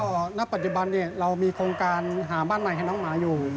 ก็ณปัจจุบันนี้เรามีโครงการหาบ้านใหม่ให้น้องหมาอยู่